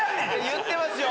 言ってますよ！